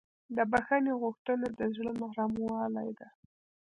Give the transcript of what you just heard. د بښنې غوښتنه د زړه نرموالی ده.